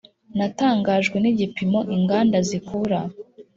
natangajwe nigipimo inganda zikura.